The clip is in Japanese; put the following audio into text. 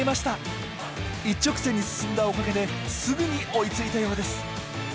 一直線に進んだおかげですぐに追いついたようです。